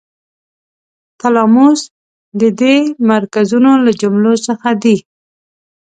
تلاموس د دې مرکزونو له جملو څخه دی.